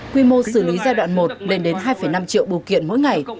quy mô xử lý giai đoạn một lên đến hai năm triệu bưu kiện mỗi ngày